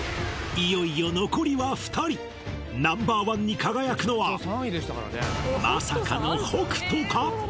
いよいよ残りは２人Ｎｏ．１に輝くのはまさかの北斗か？